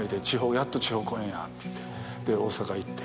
やっと地方公演やって言ってで大阪行って。